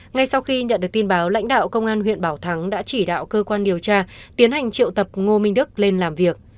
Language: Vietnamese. ngay sau khi nhận được tin báo lãnh đạo công an huyện bảo thắng đã chỉ đạo cơ quan điều tra tiến hành triệu tập ngô minh đức lên làm việc